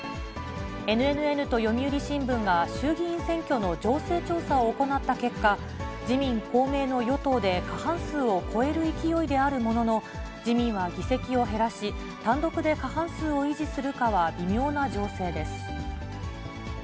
ＮＮＮと読売新聞が、衆議院選挙の情勢調査を行った結果、自民、公明の与党で、過半数を超える勢いであるものの、自民は議席を減らし、単独で過半数を維持するかは微妙な情勢です。